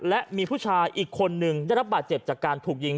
และมีผู้ชายอีกคนนึงได้รับบาดเจ็บจากการถูกยิง